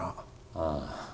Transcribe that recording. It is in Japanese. ああ。